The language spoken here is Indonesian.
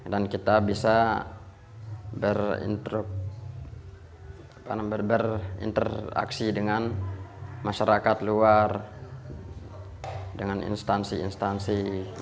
dan kita bisa berinteraksi dengan masyarakat luar dengan instansi instansi